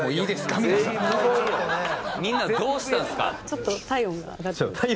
ちょっと体温が上がって。